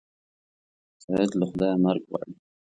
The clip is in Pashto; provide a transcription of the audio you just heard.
سید له خدایه مرګ غواړي.